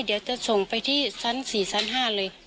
เดี๋ยวจะส่งไปที่ชั้น๔ชั้น๕เลย